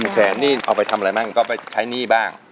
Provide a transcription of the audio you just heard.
แสนนี่เอาไปทำอะไรบ้างก็ไปใช้หนี้บ้าง